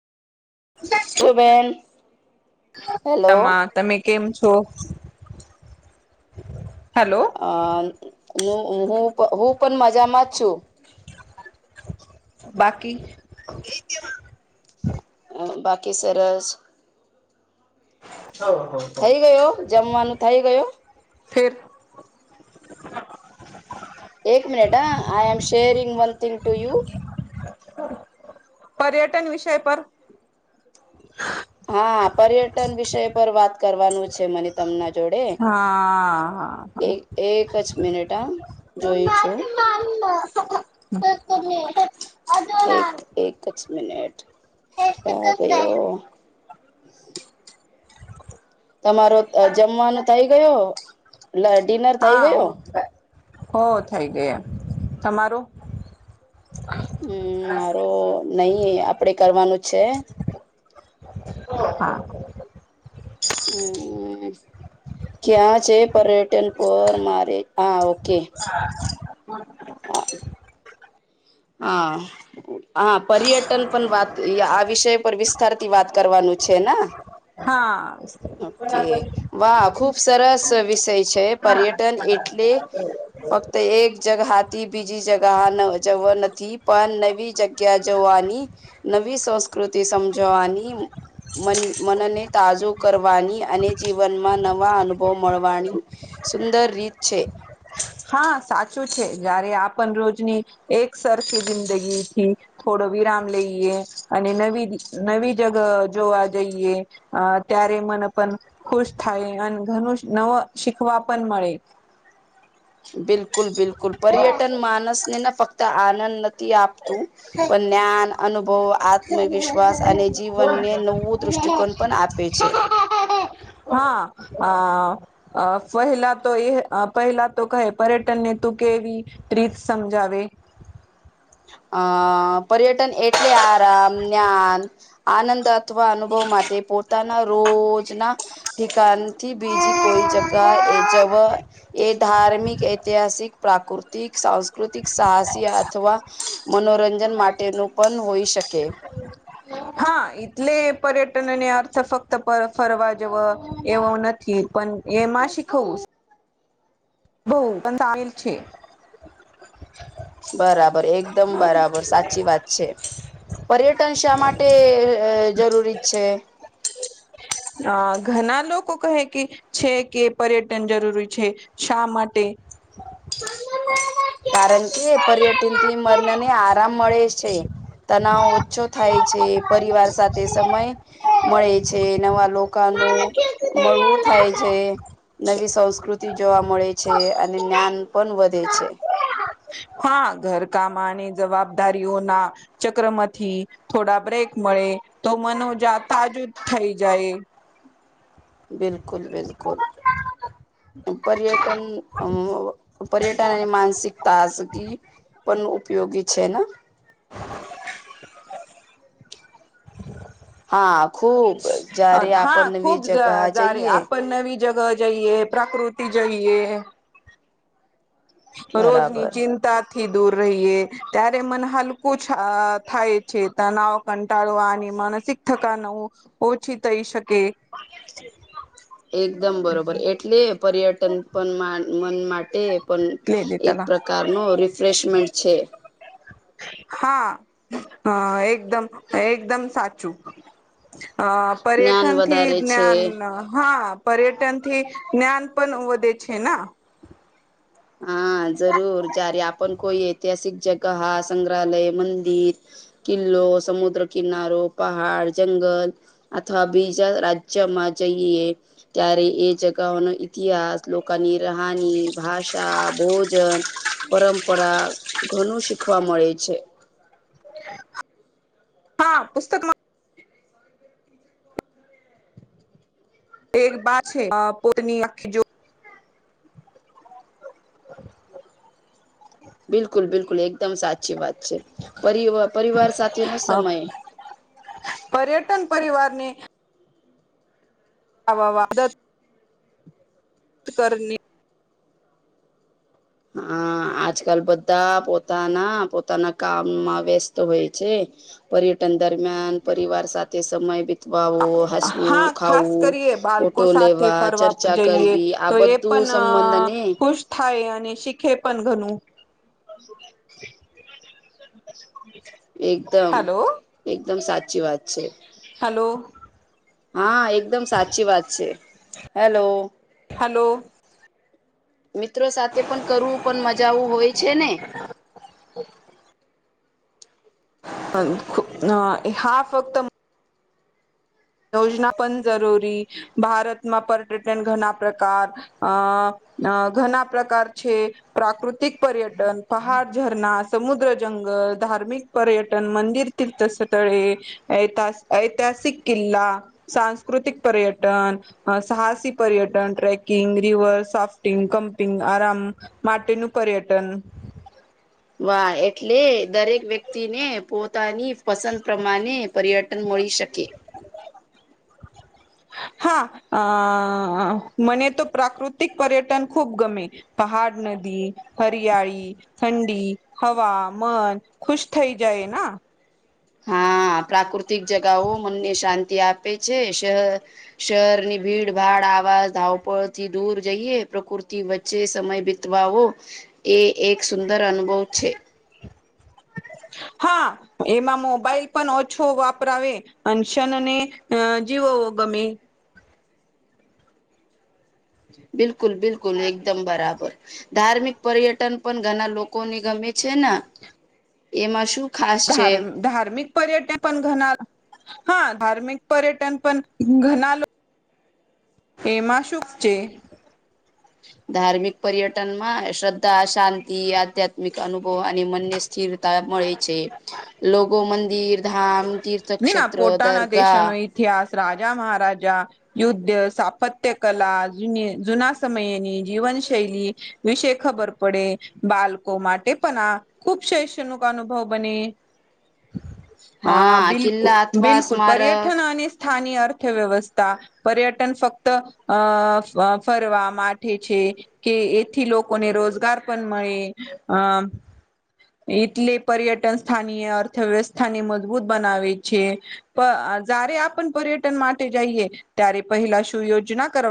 છો બેન હેલો [unintelligible] તમે કેમ છો હેલો. અ હું હું પણ મજામાં જ છું. બાકી બાકી સરસ. [inaudible] થઈ ગયો જમવાનું થઈ ગયો. [inaudible] એક મિનિટા I am sharing one thing to you. પર્યટન વિષય પર [inaudible] હા પર્યટન વિષય પર વાત કરવાનું છે મને. તમના જોડે હા હા એક એક જ મિનિટ આ. જોયું છું. [inaudible] એક એક જ મિનટ ક્યાં ગયો. તમારો જમવાનું થઇ ગયો. [unintelligible] હા હું થા હો થઈ ગયો તમારું. હમ્મ મારો નહીં આપડે કરવાનું છે. [inaudible] હમ્મ. ક્યાં છે પર્યટન પર મારે હા ઓકે. [inaudible] હા. હા. હા પર્યટન પણ વાત આ વિષય પર વિસ્તારથી વાત કરવાનું છે ન. હા ઓકે વાહ! ખુબ સરસ વિષય છે પર્યટન એટલે [inaudible] તે એક જગથી બીજી જગ જવ નથી પણ નવી જગ્યા જવાની. નવી સંસ્કૃતિ સમજવાની મન મનને તાજું કરવાની અને જીવનમાં નવા અનુભવ મળવાની સુંદર રીત છે. હા સાચું છે જારે આપણ રોજની એક સરખી જિંદગીથી થોડો વિરામ લઈએ અને નવી નવી જગ જોવા જઈએ. અ ત્યારે મન પણ ખુશ થાય અને ઘણું નવ શીખવા પણ મળે. બિલકુલ બિલકુલ. પર્યટન માણસને ના ફક્ત આનંદ તી આપતું પણ જ્ઞાન અનુભવ, આત્મવિશ્વાસ અને જીવનને નવું દ્રષ્ટિકોણ પણ આપે છે. [inaudible] હા અ અ પહેલા તો એ પહેલા તો કહે પર્યટનને તું કેવી રીત સમજાવે. અ પર્યટન એટલે આરામ, જ્ઞાન આનંદ અથવા અનુભવ માટે પોતાના રોજના ઠિકાન થી બીજી કોઈ જગા એ જવ એ ધાર્મિક એ ઐતિહાસિક, પ્રાકૃતિક, સાંસ્કૃતિક, સાહસી અથવા મનોરંજન માટેનું પણ હોઈ શકે. હા એટલે પર્યટનને અર્થ ફક્ત ફરવા જવો એવો નથી પણ એમાં શીખવસ બઉ પણ સામિલ છે. બરાબર એકદમ બરાબર સાચી વાત છે. પર્યટન શા માટે જરૂરી છે? અ ઘણા લોકો કહે કે છે કે પર્યટન જરૂરી છે. શા માટે? કારણ કે પર્યટનથી મન ને આરામ મળે છે. તનાવ ઓછો થાય છે, પરિવાર સાથ તે સમય મળે છે, નવા લોકોનું મળવું થાય છે. નવી સંસ્કૃતિ જોવા મળે છે, અને જ્ઞાન પણ વધે છે. હા ઘર કામાની જવાબદારીઓના ચક્રમાંથી થોડા બ્રેક મળે તો મનોજા તાજું થઈ જાય. બિલકુલ બિલકુલ. પર્યટન અ પર્યટન અને માનસિક તાજગી પણ ઉપયોગી છે ને? હા ખુબ જયારે હા આપણ નવી જગા જઈએ. જગ જઈએ, પ્રાકૃતિ જઈએ. રોજની બરાબર. ચિંતા થી દૂર રહીએ, ત્યારે મન હલકું થાય છે. તનાવ કંટાળવાની માનસિક થકાન ઓછી થઈ શકે. એકદમ બરોબર. એટલે પર્યટન પણ મન માટે પણ લે દે એક તલા પ્રકારનો રિફ્રેશમેન્ટ છે. હા હ એકદમ એકદમ સાચું. અ જ્ઞાન પર્યટનથી વધારે છે જ્ઞાન હા પર્યટનથી જ્ઞાન પણ વધે છે ના? હા જરૂર. જ્યારે આપણ કોઈ ઐતિહાસિક જગહા, સંગ્રહાલય, મંદિર. કિલ્લો, સમુદ્ર કિનારો, પહાડ, જંગલ. અથવા બીજા રાજ્યમાં જઈએ ત્યારે એ જગઓનો ઈતિહાસ લોકોની રાહાની ભાષા ભોજન પરંપરા ઘણું શીખવા મળે છે. હા પુસ્તકમાં એક બા છે પોતની આખી જો [inaudible] બિલકુલ બિલકુલ એકદમ સાચી વાત છે પર પરિવાર સાથે નો સમય પર્યટન પરિવાર ને આવા વાદ કરની હા આજકાલ બધા પોતાના પોતાના કામમાં વ્યસ્ત હોય છે. પર્યટન દરમિયાન પરિવાર સાથે સમય વિતા હસવું હા ખાસ ખાવું કરીએ ફોટો બાળકો સાથે લેવા ફરવા ચર્ચા જઈએ કરવી આ તો એ બધ પણ સંબંધને ખુશ થાય અને શીખે પણ ઘણું એકદમ હલો એકદમ સાચી વાત છે. હલો હા એકદમ સાચી વાત છે હેલો હલો મિત્રો સાથે પણ કરવું પણ મજા આવું હોય છે ને? ઓ [inaudible] [unintelligible] હા ફક્ત યોજના પણ જરૂરી ભારતમાં પર્યટન ઘણા પ્રકાર અ અ ઘણા પ્રકાર છે પ્રાકૃતિક પર્યટન પહાડ જર સમુદ્ર જંગલ ધાર્મિક પર્યટન મંદિર તીર્થ સ્થળે ઐતા ઐતાહાસિક કિલ્લા સાંસ્કૃતિક પર્યટન અ સાહસી પર્યટન ટ્રેકિંગ રિવર સાફ્ટિંગ કમ્પિંગ આરામ માટેનું પર્યટન વાહ એટલે દરેક વ્યક્તિને પોતાની પસંદ પ્રમાણે પર્યટન મળી શકે હા અ મને તો પ્રાકૃતિક પર્યટન ખૂબ ગમે પહાડ નદી હરિયાળી ઠંડી હવા મન ખુશ થઈ જાય ના હા પ્રાકૃતિક જગાઓ મનને શાંતિ આપે છે શ શહેરની ભીડ ભાડ આવાજ ધાવપળથી દૂર જઈએ પ્રકૃતિ વચ્ચે જે સમય બીતવાવો એ એક સુંદર અનુભવ છે. હા. એમાં મોબાઈલ પણ ઓછો વાપરાવે અને કને અ જીવો ગમે બિલકુલ બિલકુલ એકદમ બરાબર ધાર્મિક પર્યટન પણ ઘણા લોકોને ગમે છે ને એમાં શું ખાસ છે ધારમ ધાર્મિક પર્યટન પણ ઘના હા ધાર્મિક પર્યટન પણ ઘનાલ એમાં શુંખ છે ધાર્મિક પર્યટન માં શ્રદ્ધા શાંતિ આધ્યાત્મિક અનુભવ અને મનને સ્થિરતા મળે છે લોકો મંદિર ધામ ના તીર્થક્ષેત્ર પોતાના દરગાહ દેશોનો ઇતિહાસ રાજા મહારાજા યુદ્ધ સાપત્ય કલા જ જુના સમયેની જીવન શૈલી વિશે ખબર પડે બાલકો માટે પણ આ ખૂબ શૈષ્યણુક અનુભવ બને અ હા બિલકુલ કિલ્લા અથવા બિલકુલ સ્મારક પર્યટન અને સ્થાની અર્થવ્યવસ્થા. પર્યટન ફક્ત અ ફરવા માઠ છે. કે એથી લોકોને રોજગાર પણ મળે અમ એટલે પર્યટન સ્થાની એ અર્થવ્યવસ્થા ને મજબૂત બનાવે છે. જારે આપણ પર્યટન માટે જઈએ ત્યારે પહેલા શું યોજના કરવા